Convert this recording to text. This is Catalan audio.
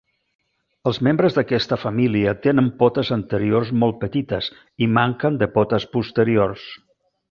Els membres d'aquesta família tenen potes anteriors molt petites i manquen de potes posteriors.